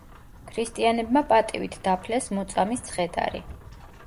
ქრისტიანებმა პატივით დაფლეს მოწამის ცხედარი.